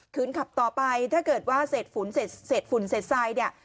ขืนขับต่อไปถ้าเกิดว่าเศษฝุ่นเศษไซด์